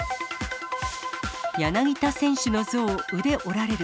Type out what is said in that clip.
柳田選手の像、腕折られる。